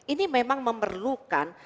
ini memang memerlukan